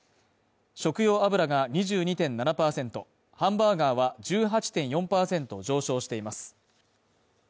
食用油が２２．７％、ハンバーガーは１８．４％上昇しています。